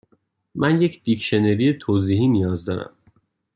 من یک دیکشنری توضیحی نیاز دارم.